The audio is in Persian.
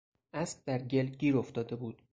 اسب در گل گیر افتاده بود.